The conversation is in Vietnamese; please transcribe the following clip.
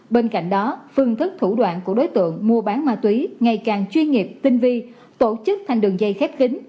bên cạnh đó phương thức thủ đoạn của đối tượng mua bán ma túy ngày càng chuyên nghiệp tinh vi tổ chức thành đường dây khép kính